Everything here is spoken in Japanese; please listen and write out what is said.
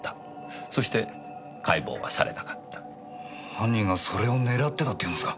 犯人がそれを狙ってたっていうんですか？